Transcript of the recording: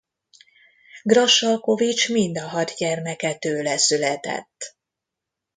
Grassalkovich mind a hat gyermeke tőle született.